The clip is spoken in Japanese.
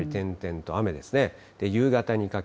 やはり点々と雨ですね。